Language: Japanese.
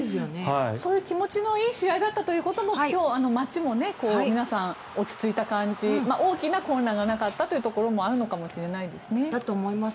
そういう気持ちのいい試合だったということも今日、街も皆さん落ち着いた感じ大きな混乱がなかったというのもだと思います。